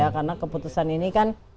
karena keputusan ini kan